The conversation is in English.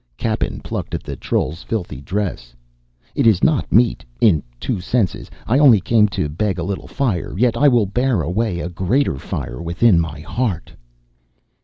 Cappen plucked at the troll's filthy dress. "It is not meet in two senses. I only came to beg a little fire; yet will I bear away a greater fire within my heart."